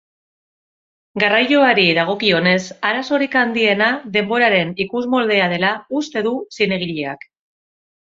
Garraioari dagokionez arazorik handiena denboraren ikusmoldea dela uste du zinegileak.